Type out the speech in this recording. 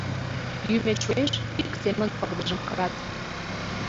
«Йӱмет шуэш?» — ик семын пырдыжым кырат.